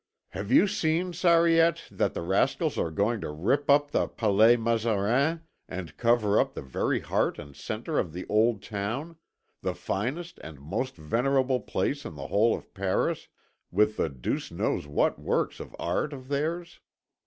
"Have you seen, Sariette, that the rascals are going to rip up the Palais Mazarin, and cover up the very heart and centre of the Old Town, the finest and most venerable place in the whole of Paris, with the deuce knows what works of art of theirs?